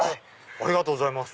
ありがとうございます。